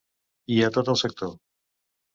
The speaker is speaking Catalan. I a tot el sector.